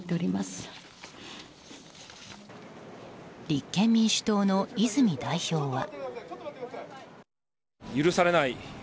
立憲民主党の泉代表は。